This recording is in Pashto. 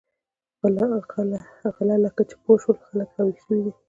غله لکه چې پوه شول چې خلک را وېښ شوي دي.